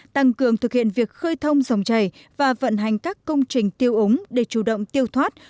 tăng cường thực hiện việc khơi thông dòng chảy và vận hành các công trình tiêu úng để chủ động tiêu thoát